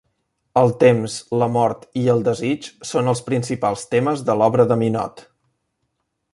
El temps, la mort i el desig són els principals temes de l'obra de Minot.